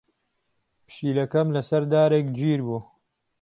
پشیلەکەم لەسەر دارێک گیر بوو.